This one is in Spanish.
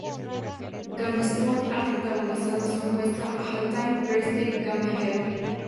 GameSpot ha protagonizado su encuesta "All Time Greatest Game Hero".